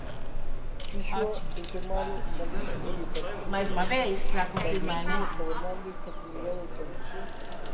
Fíxoa ese malo malísimo Bipartito cando estivo gobernando esta comunidade autónoma.